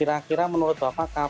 apakah menurut bapak kapan indonesia